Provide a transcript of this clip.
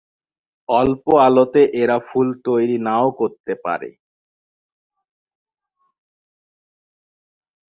অল্প আলোতে এরা ফুল তৈরি নাও করতে পারে।